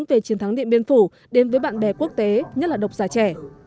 về chiến thắng điện biên phủ đến với bạn bè quốc tế nhất là độc giả trẻ